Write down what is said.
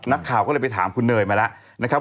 นักข่าวก็เลยไปถามคุณเนยมาแล้วนะครับ